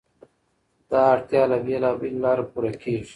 دا اړتیا له بېلابېلو لارو پوره کېږي.